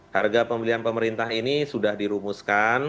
harga pembelian pemerintah ini sudah dirumuskan